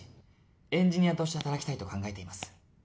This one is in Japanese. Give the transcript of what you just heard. エンジニアとして働きたいと考えています